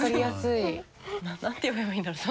何て呼べばいいんだろう